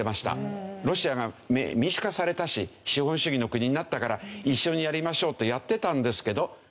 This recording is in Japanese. ロシアが民主化されたし資本主義の国になったから一緒にやりましょうとやってたんですけど。